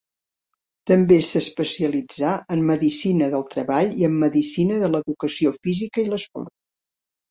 També s'especialitzà en medicina del treball i en medicina de l'educació física i l'esport.